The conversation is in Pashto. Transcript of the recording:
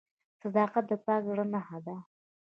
• صداقت د پاک زړه نښه ده.